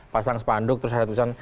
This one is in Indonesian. pasang spanduk terus ada tulisan